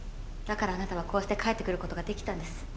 だからあなたはこうして帰ってくることができたんです。